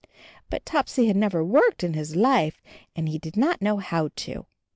But Topsy had never worked in his life and he did not know how to.